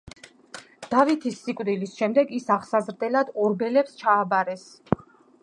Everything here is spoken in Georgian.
დავითის სიკვდილის შემდეგ ის აღსაზრდელად ორბელებს ჩააბარეს.